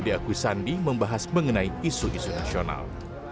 diakui sandi membahas mengenai isu isu nasional